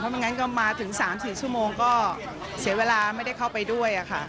ไม่งั้นก็มาถึง๓๔ชั่วโมงก็เสียเวลาไม่ได้เข้าไปด้วยค่ะ